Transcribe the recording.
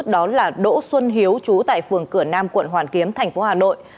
đó là đỗ xuân hiếu chú tại phường cửa nam quận hoàn kiếm tp hà nội